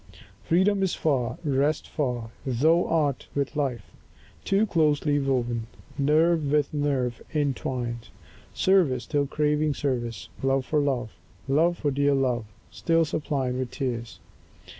Freedom is far, rest far. Thou art with life Too closely woven, nerve with nerve intwined; Service still craving service, love for love, Love for dear love, still suppliant with tears.